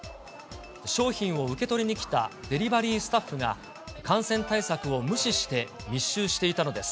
商品を受け取りに来たデリバリースタッフが感染対策を無視して密集していたのです。